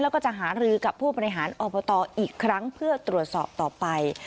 แล้วก็จะหารือกับผู้บริหารอบตอีกครั้งเพื่อตรวจสอบต่อไป